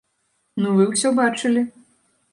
Ну вы ўсё бачылі.